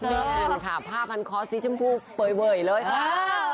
นี่มันค่ะผ้าพันฆ์คอสสิทธิ์ชมพูเปล่าเวยเลยค่ะ